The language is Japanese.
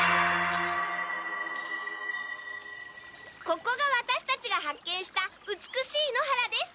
ここがワタシたちが発見した美しい野原です。